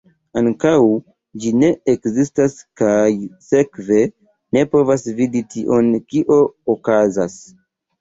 Ankoraŭ ĝi ne ekzistas kaj sekve, ne povas vidi tion kio okazas.